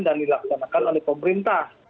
dan dilaksanakan oleh pemerintah